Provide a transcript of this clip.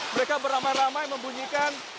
mereka beramai ramai membunyikan